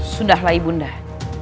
sudahlah ibu merah